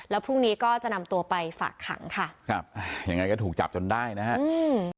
แล้วพรุ่งนี้ก็จะนำตัวไปฝากขังค่ะยังไงก็ถูกจับจนได้นะครับ